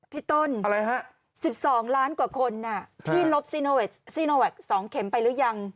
พี่ต้น๑๒ล้านกว่าคนที่ลบซีโนแวค๒เข็มไปหรือยัง